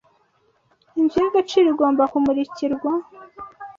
Inzu y'agaciro igomba kumurikirwa